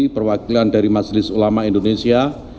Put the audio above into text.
perwakilan dari majelis ulama indonesia